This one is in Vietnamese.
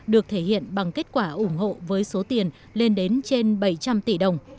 được thể hiện bằng kết quả ủng hộ với số tiền lên đến trên bảy trăm linh tỷ đồng